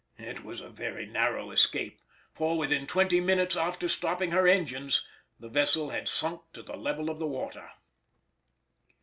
It was a very narrow escape, for within twenty minutes after stopping her engines the vessel had sunk to the level of the water.